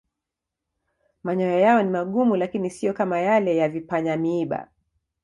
Manyoya yao ni magumu lakini siyo kama yale ya vipanya-miiba.